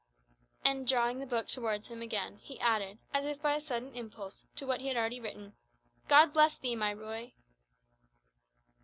And drawing the book towards him again, he added, as if by a sudden impulse, to what he had already written, "God bless thee, my Ruy!"